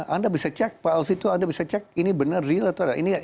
anda bisa cek pak alvito anda bisa cek ini benar real atau tidak